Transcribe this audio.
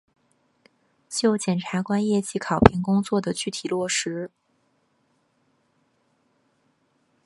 就检察官业绩考评工作的具体落实